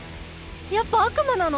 やっぱ悪魔なの！？